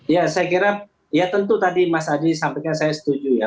ya saya kira ya tentu tadi mas adi sampaikan saya setuju ya